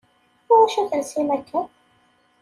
Iwacu telsim akken?